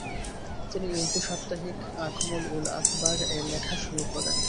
তিনি উর্দু সাপ্তাহিক আকমল উল আখবার এ লেখা শুরু করেন।